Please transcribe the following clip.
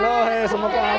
loheh semoga amin